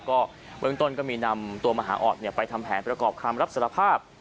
ก็เบื้องต้นก็มีนำตัวมหาออดไปทำแผนประกอบคำรับสารภาพ